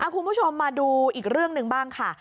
คุณผู้ชมมาดูอีกเรื่องหนึ่งบ้างค่ะ